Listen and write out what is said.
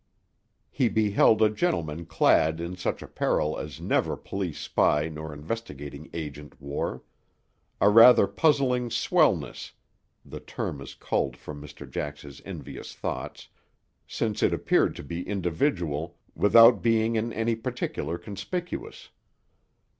He beheld a gentleman clad in such apparel as never police spy nor investigating agent wore; a rather puzzling "swellness" (the term is culled from Mr. Jax's envious thoughts), since it appeared to be individual, without being in any particular conspicuous.